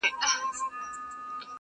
• یوازي والی -